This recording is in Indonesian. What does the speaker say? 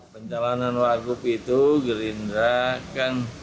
penjalanan wargup itu gerindra kan